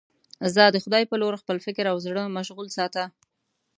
زه د خدای په لور خپل فکر او زړه مشغول ساته.